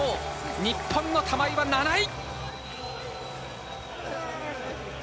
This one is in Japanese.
日本の玉井は７位！